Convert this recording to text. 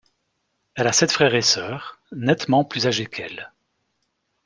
Elle a sept frères et sœurs, nettement plus âgés qu'elle.